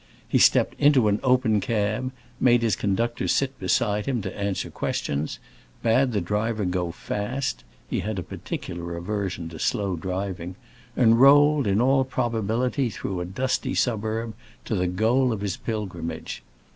He stepped into an open cab, made his conductor sit beside him to answer questions, bade the driver go fast (he had a particular aversion to slow driving) and rolled, in all probability through a dusty suburb, to the goal of his pilgrimage.